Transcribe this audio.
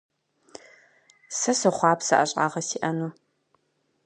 Сэ сохъуапсэ ӀэщӀагъэ сиӀэну.